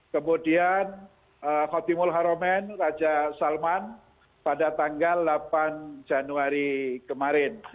kemudian khotimul haromen raja salman pada tanggal delapan januari kemarin